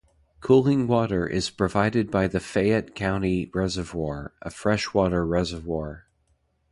Cooling water is provided by the Fayette County Reservoir, a freshwater reservoir.